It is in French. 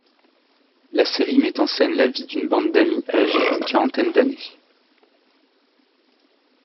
La série met en scène la vie d'une bande d'amis âgés d'une quarantaine d'années.